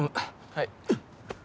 はい。